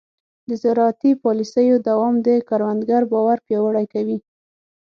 د زراعتي پالیسیو دوام د کروندګر باور پیاوړی کوي.